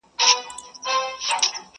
بل دي هم داسي قام لیدلی چي سبا نه لري؟!.